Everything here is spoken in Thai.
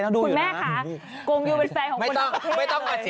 แล้วสอบงัวนะ